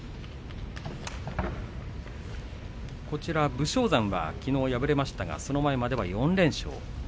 武将山はきのう敗れましたが、その前までは４連勝した。